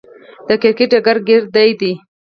د کرکټ ډګر ګيردى يي.